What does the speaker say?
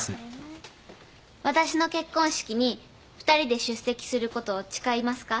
私の結婚式に２人で出席することを誓いますか？